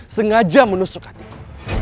sengaja menusuk hatiku